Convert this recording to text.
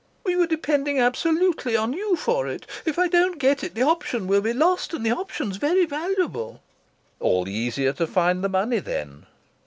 "We were depending absolutely on you for it. If I don't get it, the option will be lost, and the option's very valuable." "All the easier to find the money then!"